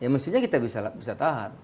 mestinya kita bisa tahan